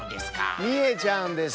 みえちゃうんです。